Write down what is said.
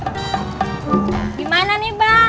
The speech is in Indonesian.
masalahnya bang semua ngaku pendukung abang